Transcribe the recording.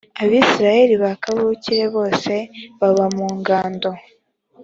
abisirayeli ba kavukire bose baba mu ngando.